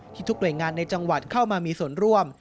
ทุกหน่วยงานในจังหวัดเข้ามามีส่วนร่วม